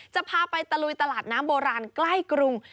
จะพาไปตะลุยตลาดน้ำโบราณใกล้กรุง